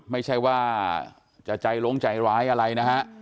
ไม่ใช่ว่าจะใจลงใจร้ายอะไรนะฮะ